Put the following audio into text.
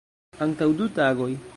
Antaŭ du tagoj.